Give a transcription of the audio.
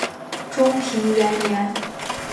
中平元年。